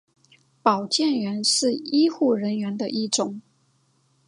保健员是医护人员的一种。